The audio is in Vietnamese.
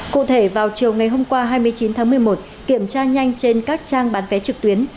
cụ thể vào chiều ngày hôm qua hai mươi chín tháng một mươi một kiểm tra nhanh trên các trang bán vé trực tuyến